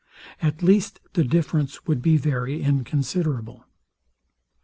At least the difference would be very inconsiderable.